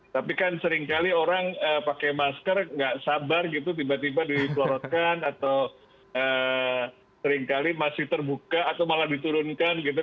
tapi kan seringkali orang pakai masker nggak sabar gitu tiba tiba diplorotkan atau seringkali masih terbuka atau malah diturunkan gitu